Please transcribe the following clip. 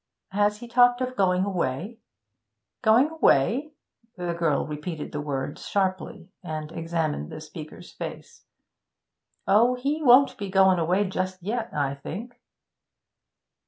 'Has he talked of going away?' 'Going away?' The girl repeated the words sharply, and examined the speaker's face. 'Oh, he won't be goin' away just yet, I think.'